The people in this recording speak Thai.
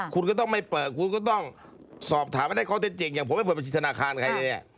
คุณก็ต้องไม่เปิดคุณก็ต้องสอบถามให้ได้ข้อเท็จจริงอย่างผมไม่เปิดบัญชีธนาคารใครเลย